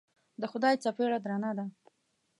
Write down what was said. د خدای څپېړه درنه ده.